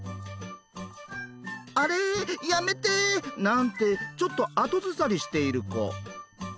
「あれやめて」なんてちょっと後ずさりしている子。